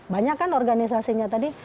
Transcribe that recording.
banyak kan organisasinya tadi